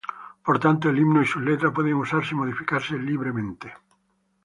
Por tanto, el himno y su letra pueden usarse y modificarse libremente.